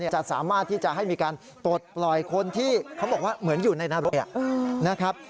จะสามารถที่จะให้มีการปลดปล่อยคนที่เขาบอกว่าเหมือนอยู่ในระบบนะครับ